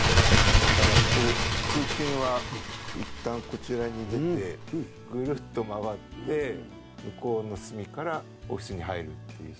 だから通勤はいったんこちらに出てぐるっと回って向こうの隅からオフィスに入るっていう。